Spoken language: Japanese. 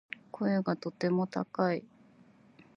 声がとても高い